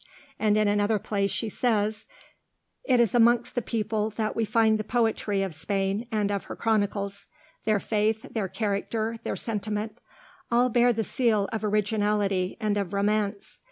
And in another place she says: "It is amongst the people that we find the poetry of Spain and of her chronicles. Their faith, their character, their sentiment, all bear the seal of originality and of romance.